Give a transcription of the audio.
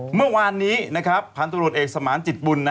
เมื่อวานนี้พันธุรกิจเอกสมานจิตบุญ